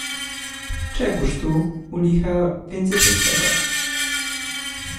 "Czegóż tu, u licha, więcej potrzeba?"